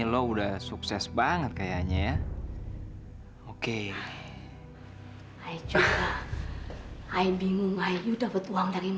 pelukis gajah pelukis apa aja